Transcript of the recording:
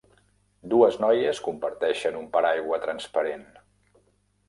Dues noies comparteixen un paraigua transparent